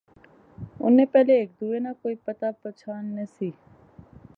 انیں پہلے ہیک دوہے ناں کوئی پتہ پچھان نہسی